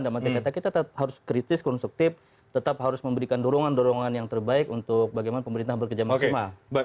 dan maksudnya kita tetap harus kritis konstruktif tetap harus memberikan dorongan dorongan yang terbaik untuk bagaimana pemerintah bekerja maksimal